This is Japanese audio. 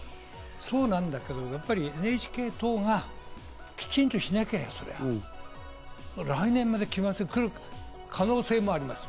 そうなんだけれど、やっぱりＮＨＫ党がきちんとしなければ、そりゃ来年来る可能性もあります。